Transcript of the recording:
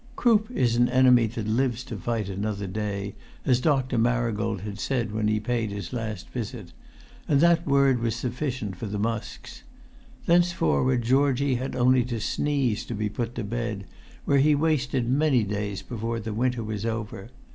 Croup is an enemy that lives to fight another day, as Dr. Marigold said when he paid his last visit; and that word was sufficient for the Musks. Thenceforward Georgie had only to sneeze to be put to bed, where he wasted many days before the winter was over.